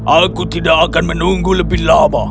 aku tidak akan menunggu lebih lama